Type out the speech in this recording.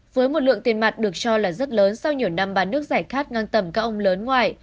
với một lượng tiền mặt được cho là rất lớn sau nhiều năm bán nước giải khát ngang tầm các ông lớn ngoài